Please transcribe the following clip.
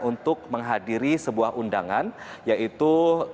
untuk menghadiri sebuah undangan yaitu